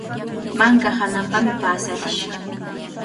Manka hananpami paasarish.